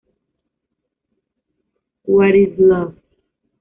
What is Love?